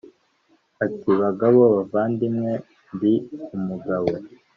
ati bagabo bavandimwe ndi umugabo